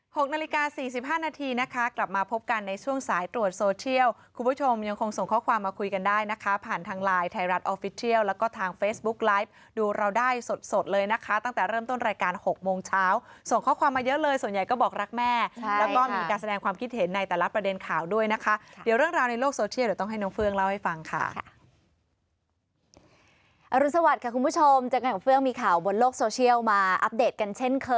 หกนาฬิกา๔๕นาทีนะคะกลับมาพบกันในช่วงสายตรวจโซเชียลคุณผู้ชมยังคงส่งข้อความมาคุยกันได้นะคะผ่านทางไลน์ไทยรัฐออฟฟิตเชียลแล้วก็ทางเฟซบุ๊กไลฟ์ดูเราได้สดเลยนะคะตั้งแต่เริ่มต้นรายการ๖โมงเช้าส่งข้อความมาเยอะเลยส่วนใหญ่ก็บอกรักแม่แล้วก็มีการแสดงความคิดเห็นในแต่ละประเด็นข่